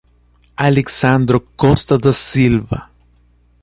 Alexsandro Costa da Silva